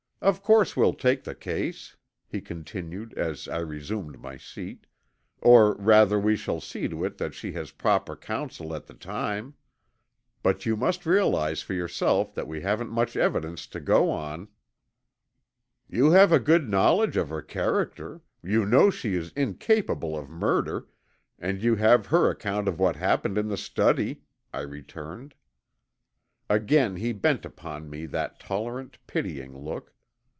Of course we'll take the case," he continued as I resumed my seat, "or rather we shall see to it that she has proper counsel at the time. But you must realize for yourself that we haven't much evidence to go on." "You have a good knowledge of her character, you know she is incapable of murder, and you have her account of what happened in the study," I returned. Again he bent upon me that tolerant, pitying look.